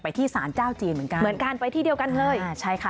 ที่สารเจ้าจีนเหมือนกันเหมือนกันไปที่เดียวกันเลยอ่าใช่ค่ะ